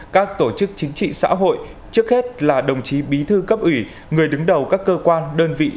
các tổ chức chính trị xã hội trước hết là đồng chí bí thư cấp ủy người đứng đầu các cơ quan đơn vị